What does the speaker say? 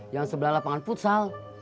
yang sebelah lapangan futsal